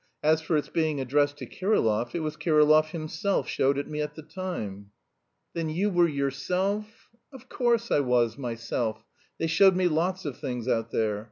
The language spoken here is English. As for its being addressed to Kirillov, it was Kirillov himself showed it me at the time." "Then you were yourself..." "Of course I was, myself. They showed me lots of things out there.